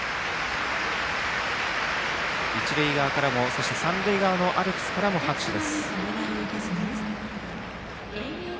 一塁側からも三塁側のアルプスからも拍手です。